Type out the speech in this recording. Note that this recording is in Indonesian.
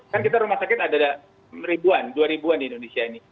kan kita rumah sakit ada ribuan dua ribu an di indonesia ini